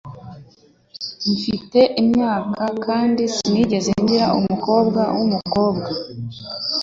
Mfite imyaka kandi sinigeze ngira umukobwa wumukobwa.